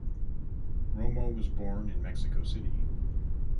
Romo was born in Mexico City.